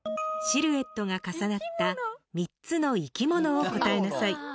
シルエットが重なった３つの生き物を答えなさい。